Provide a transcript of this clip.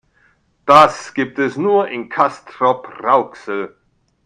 Das gibt es nur in Castrop-Rauxel